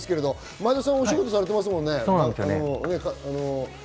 前田さんはお仕事されていますよね。